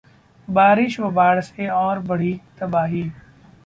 बारिश व बाढ़ से और बढ़ी तबाही